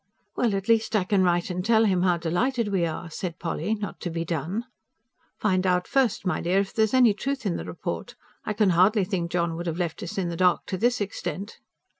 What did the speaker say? "Well, at least I can write and tell him how delighted we are," said Polly, not to be done. "Find out first, my dear, if there's any truth in the report. I can hardly think John would have left us in the dark to this extent."